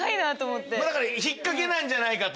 だから引っかけじゃないかと。